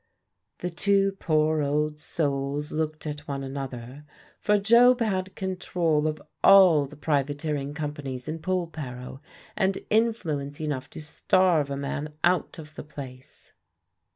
The two poor old souls looked at one another; for Job had control of all the privateering companies in Polperro, and influence enough to starve a man out of the place.